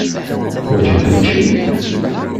Teḥwaǧemt učči?